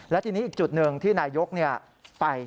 และทีนี้อีกจุดหนึ่งที่นายกไป